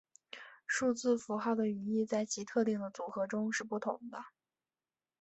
数字符号的语义在其特定的组合中是不同的。